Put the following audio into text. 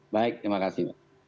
baik terima kasih